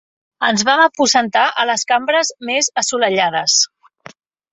Ens vam aposentar a les cambres més assolellades.